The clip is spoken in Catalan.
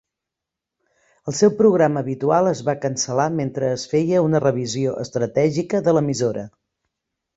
El seu programa habitual es va cancel·lar mentre es feia una revisió estratègica de l'emissora.